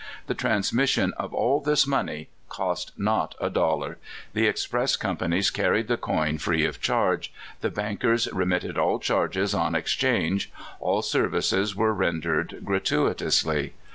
The transmission of all this money cost not a dol lar. The express companies carried the coin free of charge, the bankers remitted all charges on ex change — all services were rendered gratuitously.